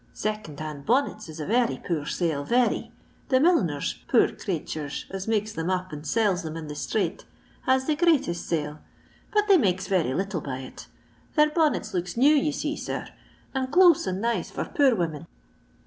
"Second hand Bonnets is a very poor sale — very. The milliners, poor craitchers, as makes them up and sells them in the strate, has th4 greatest sale, but they makes very little by it Their bonnets looks new, you see, sir, and close and nice for poor women.